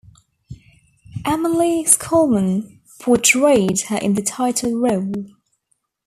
Emily Schulman portrayed her in the title role.